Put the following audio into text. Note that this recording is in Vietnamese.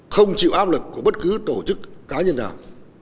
không chịu áp lực của bất cứ tổ chức cá nhân nào